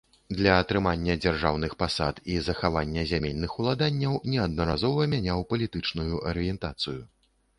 Для атрымання дзяржаўных пасад і захавання зямельных уладанняў неаднаразова мяняў палітычную арыентацыю.